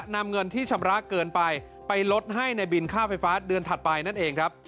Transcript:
นำเงินที่ชำระเกินไปไปลดให้ในบินค่าไฟฟ้าเดือนถัดไปนั่นเองครับ